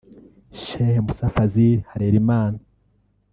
Sheikh Musa Fadhil Harelimana